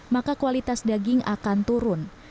maka kualitas daging akan turun